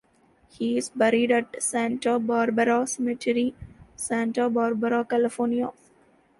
He is buried at Santa Barbara Cemetery, Santa Barbara, California.